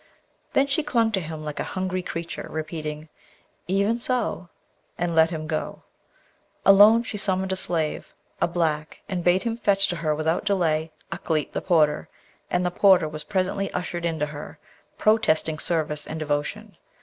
Then she clung to him like a hungry creature, repeating, 'Even so,' and let him go. Alone, she summoned a slave, a black, and bade him fetch to her without delay Ukleet the porter, and the porter was presently ushered in to her, protesting service and devotion.